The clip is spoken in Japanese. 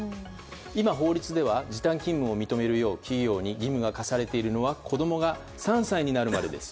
今、法律では時短勤務を認めるよう企業に義務が課されているのは子供が３歳になるまでです。